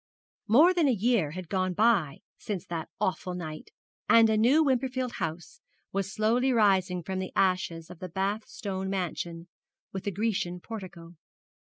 More than a year had gone by since that awful night, and a new Wimperfield House was slowly rising from the ashes of the Bath stone mansion with the Grecian portico.